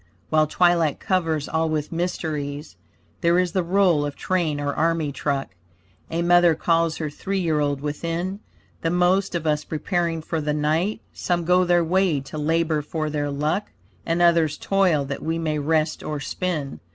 While twilight covers all with mysteries, There is the roll of train or army truck; A mother calls her three year old within. The most of us preparing for the night; Some go their way to labor for their luck, And others toil that we may rest or spin.